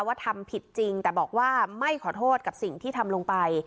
ทำผิดจริงแต่บอกว่าไม่ขอโทษกับสิ่งที่ทำลงไป